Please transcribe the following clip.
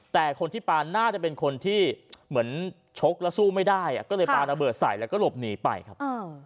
แต่คนที่ปานน่าจะเป็นคนที่เหมือนชกแล้วสู้ไม่ได้ก็เลยปลาระเบิดใส่แล้วก็หลบหนีไปครับ